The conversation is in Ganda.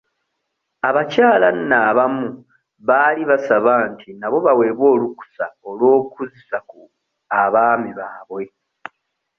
Abakyala nno abamu baali basaba nti nabo baweebwe olukusa olw'okuzza ku abaami baabwe.